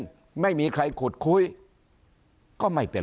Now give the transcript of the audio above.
เขาก็ไปร้องเรียน